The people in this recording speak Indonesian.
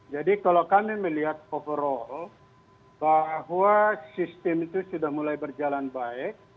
jadi kalau kami melihat overall bahwa sistem itu sudah mulai berjalan baik